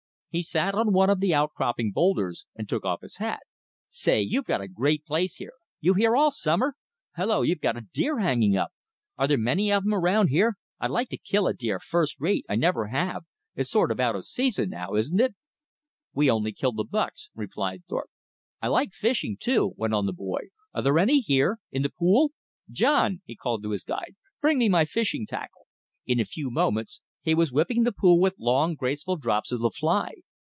He sat on one of the outcropping boulders and took off his hat. "Say! you've got a great place here! You here all summer? Hullo! you've got a deer hanging up. Are there many of 'em around here? I'd like to kill a deer first rate. I never have. It's sort of out of season now, isn't it?" "We only kill the bucks," replied Thorpe. "I like fishing, too," went on the boy; "are there any here? In the pool? John," he called to his guide, "bring me my fishing tackle." In a few moments he was whipping the pool with long, graceful drops of the fly.